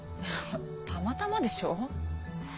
たまたまでしょ？